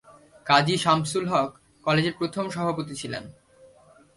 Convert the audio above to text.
কাজী শামসুল হক কলেজের প্রথম সভাপতি ছিলেন।